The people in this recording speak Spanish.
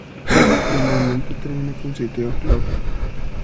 Normalmente terminan con "City of love".